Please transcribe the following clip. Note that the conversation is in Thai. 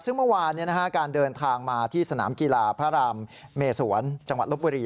ซึ่งเมื่อวานการเดินทางมาที่สนามกีฬาพระรามเมสวนจังหวัดลบบุรี